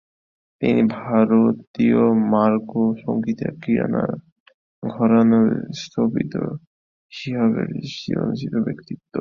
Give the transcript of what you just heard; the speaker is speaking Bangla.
তিনি ভারতীয় মার্গ সঙ্গীতের কিরানা ঘরানার স্থপতি হিসাবে চিরস্মরণীয় ব্যক্তিত্ব।